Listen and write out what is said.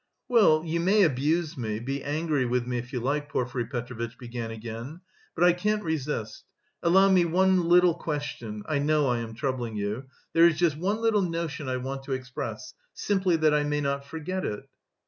"Well, you may abuse me, be angry with me if you like," Porfiry Petrovitch began again, "but I can't resist. Allow me one little question (I know I am troubling you). There is just one little notion I want to express, simply that I may not forget it."